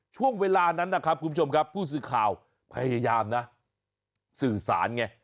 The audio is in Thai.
ช่วงเวลานั้นนะครับคุณผู้ชมครับผู้สื่อข่าวพยายามนะสื่อสารไง